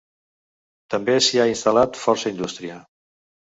També s'hi ha instal·lat força indústria.